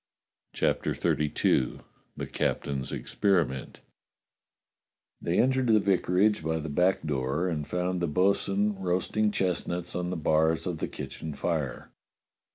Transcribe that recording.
CHAPTER XXXII THE captain's EXPERIMENT THEY entered the vicarage by the back door and found the bo'sun roasting chestnuts on the bars of the kitchen fire.